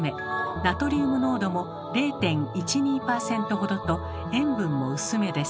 ナトリウム濃度も０．１２％ほどと塩分も薄めです。